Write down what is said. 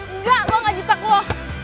enggak kok gak dikitak loh